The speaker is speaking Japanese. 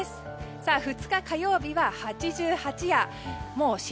２日、火曜日は八十八夜。